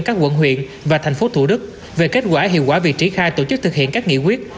các quận huyện và thành phố thủ đức về kết quả hiệu quả việc triển khai tổ chức thực hiện các nghị quyết